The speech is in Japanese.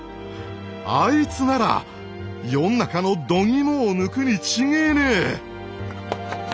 あいつなら世ん中のどぎもを抜くに違ぇねえ！